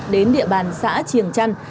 đến địa bàn xã triềng trăn